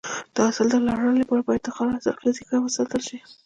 د حاصل د لوړوالي لپاره باید د خاورې حاصلخیزي ښه وساتل شي.